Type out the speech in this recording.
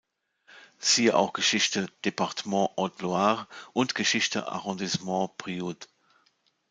Siehe auch Geschichte D´´epartement Haute-Loire und Geschichte Arrondissement Brioude.